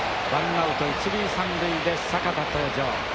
ワンアウト１塁３塁で坂田登場。